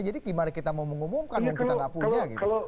jadi kita mau mengumumkan mungkin kita tidak punya gitu